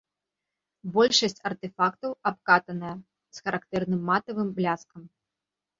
Большасць артэфактаў абкатаная, з характэрным матавым бляскам.